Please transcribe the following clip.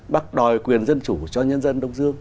bác đòi quyền dân chủ cho nhân dân đông dương